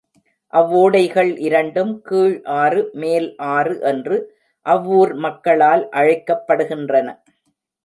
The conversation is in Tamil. அவ்வோடைகள் இரண்டும் கீழ் ஆறு, மேல் ஆறு என்று அவ்வூர் மக்களால் அழைக்கப்படுகின்றன.